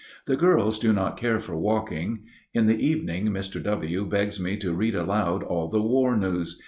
The girls do not care for walking. In the evening Mr. W. begs me to read aloud all the war news.